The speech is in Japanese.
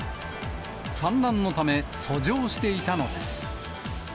産卵のため、遡上していたのです。